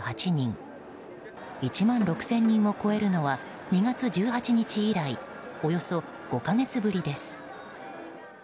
１万６０００人を超えるのは２月１８日以来およそ５か月ぶりです。